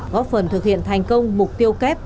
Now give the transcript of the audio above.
góp phần thực hiện thành công mục tiêu kép